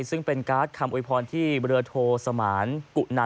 ซึ่งเป็นการ์ดคำโวยพรที่เรือโทสมานกุณา